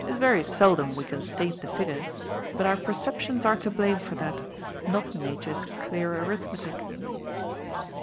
It's very seldom we can state the figures, but our perceptions are to blame for that, not nature's clear arithmetic."